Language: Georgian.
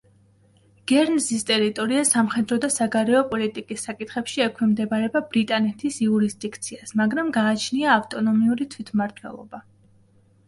გერნზის ტერიტორია სამხედრო და საგარეო პოლიტიკის საკითხებში ექვემდებარება ბრიტანეთის იურისდიქციას, მაგრამ გააჩნია ავტონომიური თვითმმართველობა.